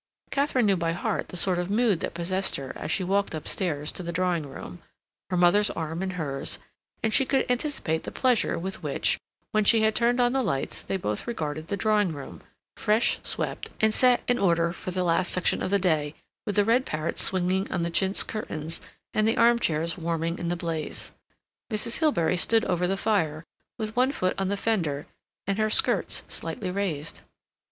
Katharine knew by heart the sort of mood that possessed her as she walked upstairs to the drawing room, her mother's arm in hers; and she could anticipate the pleasure with which, when she had turned on the lights, they both regarded the drawing room, fresh swept and set in order for the last section of the day, with the red parrots swinging on the chintz curtains, and the arm chairs warming in the blaze. Mrs. Hilbery stood over the fire, with one foot on the fender, and her skirts slightly raised.